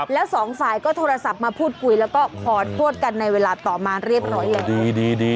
แล้วสองฝ่ายก็โทรศัพท์มาพูดคุยแล้วก็ขอโทษกันในเวลาต่อมาเรียบร้อยแล้ว